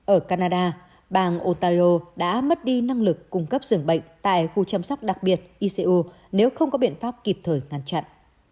ở canada bang otaro đã mất đi năng lực cung cấp dường bệnh tại khu chăm sóc đặc biệt icu nếu không có biện pháp kịp thời ngăn chặn